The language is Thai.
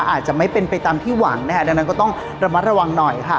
อาจจะไม่เป็นไปตามที่หวังนะคะดังนั้นก็ต้องระมัดระวังหน่อยค่ะ